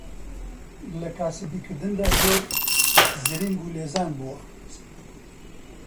لە کاسبی کردندا زۆر زرینگ و لێزان بووە